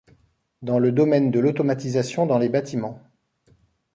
Dans le domaine de l’automatisation dans les bâtiments.